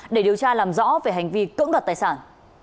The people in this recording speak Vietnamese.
để điều tra làm rõ về hành vi cưỡng đoạt tài sản